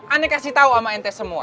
aneh kasih tau sama ente semua